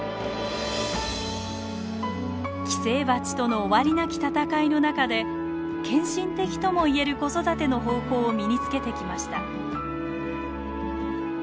寄生バチとの終わりなき戦いの中で献身的ともいえる子育ての方法を身につけてきました。